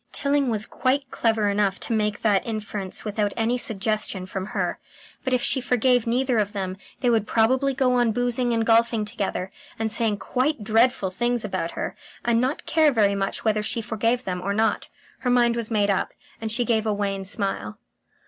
Tilling was quite clever enough to make that inference without any suggestion from her. ... But if she forgave neither of them, they would probably go on boozing and golfing together, and saying quite dreadful things about her, and not care very much whether she forgave them or not. Her mind was made up, and she gave a wan smile.